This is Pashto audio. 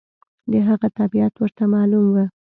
د هغه طبیعت ورته معلوم و.